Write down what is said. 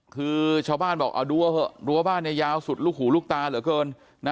คือชาวบ้านบอกดัวบ้านยาวสุดลูกหูลูกตาเหลือเกิน